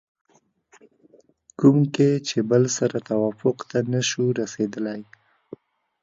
کوم کې چې بل سره توافق ته نشو رسېدلی